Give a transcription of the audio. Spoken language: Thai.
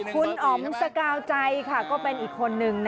คุณอ๋อมสกาวใจค่ะก็เป็นอีกคนนึง